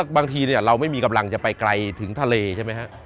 บางทีเราไม่มีกำลังจะไปไกลถึงทะเลใช่ไหมฮะ